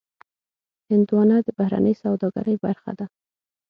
هندوانه د بهرنۍ سوداګرۍ برخه ده.